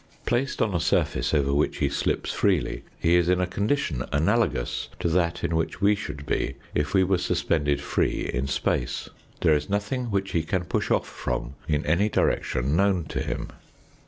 Placed on a surface over which he slips freely, he is in a condition analogous to that in which we should be if we were suspended free in space. There is nothing which he can push off from in any direction known to him.